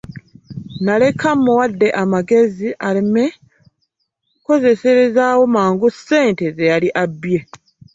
Naleka mmuwadde amagezi aleme kukozeserezaawo mangu ssente ze yali abbye.